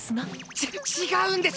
ち違うんです！